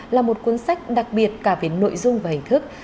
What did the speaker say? là một cuốn sách đặc biệt cả về nội dung và hình thức